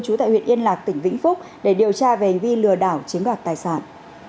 trú tại huyện yên lạc tỉnh vĩnh phúc để điều tra về hành vi lừa đảo chiếm đoạt tài sản